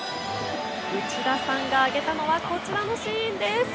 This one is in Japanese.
内田さんが挙げたのはこちらのシーンです。